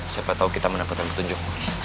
siapa tahu kita mendapatkan petunjuk